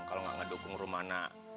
kalau gak ngedukung rumah anak